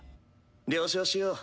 了承しよう。